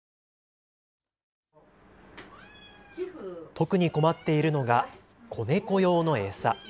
特に困っているのが子猫用の餌。